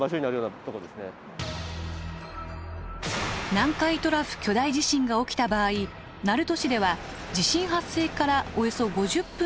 南海トラフ巨大地震が起きた場合鳴門市では地震発生からおよそ５０分で津波が到達。